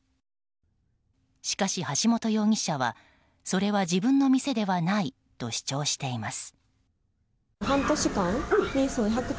しかし、橋本容疑者はそれは自分の店ではないと主張しています。